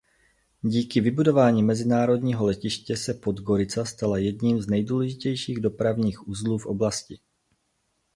Díky vybudování mezinárodního letiště se Podgorica stala jedním z nejdůležitějších dopravních uzlů v oblasti.